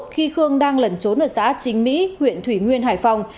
khi khương đang lẩn trốn ở xã chính mỹ huyện thủy nguyên hải phòng